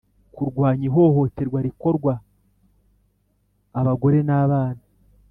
Kurwanya ihohoterwa rikorwa abagore n abana